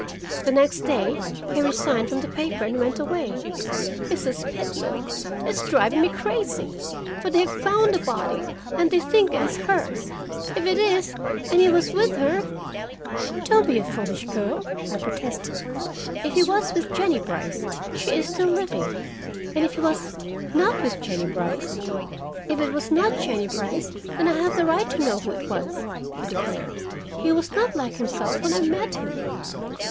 The next day he resigned from the paper and went away. Mrs. Pitman, it's driving me crazy! For they have found a body, and they think it is hers. If it is, and he was with her " "Don't be a foolish girl," I protested. "If he was with Jennie Brice, she is still living, and if he was not with Jennie Brice " "If it was not Jennie Brice, then I have a right to know who it was," she declared. "He was not like himself when I met him.